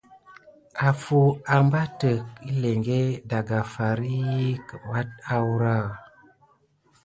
Afu abatik yelinke daka far ki apat aoura.